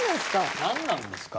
何なんすか？